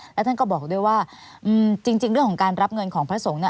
แล้วท่านก็บอกด้วยว่าจริงเรื่องของการรับเงินของพระสงฆ์เนี่ย